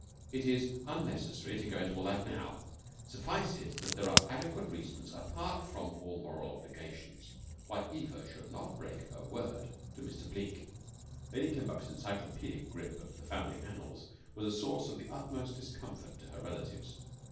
"It is unnecessary to go into all that now. Suffice it that there are adequate reasons, apart from all moral obligations, why Eva should not break her word to Mr. Bleke." Lady Kimbuck's encyclopedic grip of the family annals was a source of the utmost discomfort to her relatives.